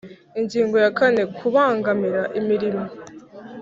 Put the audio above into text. Ingingo ya kane Kubangamira imirimo